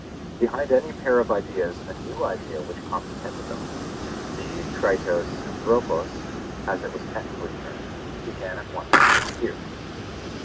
Behind any pair of ideas a new idea which comprehended them—the (Greek), as it was technically termed—began at once to appear.